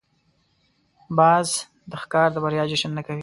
باز د ښکار د بریا جشن نه کوي